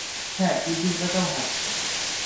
হ্যাঁ, কুদ্দুস ব্যাটাও হাসছে।